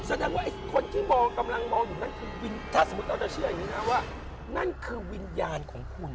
แสดงว่าไอ้คนที่โบกำลังมองอยู่นั่นคือวินถ้าสมมุติเราจะเชื่ออย่างนี้นะว่านั่นคือวิญญาณของคุณ